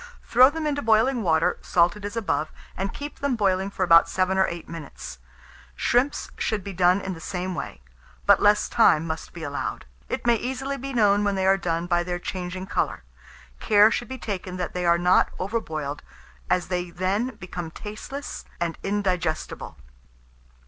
Throw them into boiling water, salted as above, and keep them boiling for about 7 or 8 minutes. Shrimps should be done in the same way; but less time must be allowed. It may easily be known when they are done by their changing colour. Care should be taken that they are not over boiled, as they then become tasteless and indigestible.